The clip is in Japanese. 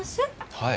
はい。